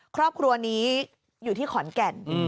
ครอบครัวนี้อยู่ที่ขอนแก่น